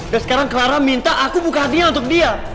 dan sekarang clara minta aku buka hatinya untuk dia